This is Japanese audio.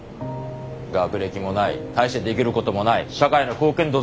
学歴もない大してできることもない社会の貢献度